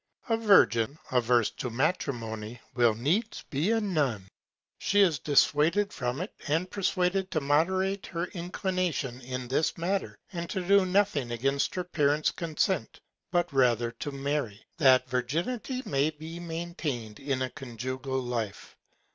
A Virgin averse to Matrimony, will needs be a Nun. She is dissuaded from it, and persuaded to moderate her Inclination in that Matter, and to do nothing against her Parents Consent, but rather to marry. That Virginity may be maintain'd in a conjugal Life.